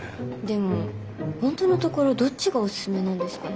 でも本当のところどっちがおすすめなんですかね？